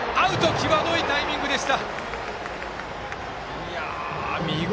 際どいタイミングでした。